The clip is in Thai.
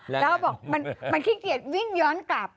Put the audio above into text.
แล้วเขาบอกมันขี้เกียจวิ่งย้อนกลับ